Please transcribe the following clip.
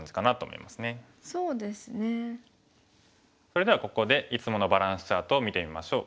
それではここでいつものバランスチャートを見てみましょう。